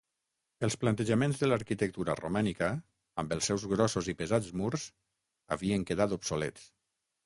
Els plantejaments de l'arquitectura romànica, amb els seus grossos i pesats murs, havien quedat obsolets.